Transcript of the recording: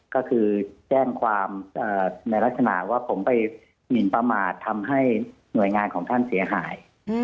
ก็คือแจ้งความในลักษณะว่าผมไปหมินประมาททำให้หน่วยงานของท่านเสียหาย